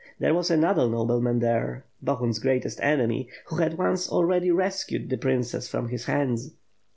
There was another nobleman there, Bohun's greatest enemy; who hand once already rescued the princess from his hands."